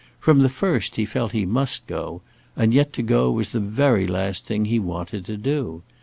From the first he felt that he must go, and yet to go was the very last thing he wanted to do.